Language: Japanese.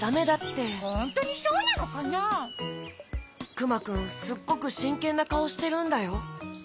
クマくんすっごくしんけんなかおしてるんだよ？